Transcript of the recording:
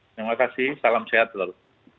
terima kasih salam sehat selalu